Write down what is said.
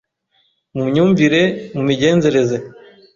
mu myumvire, mu migenzereze,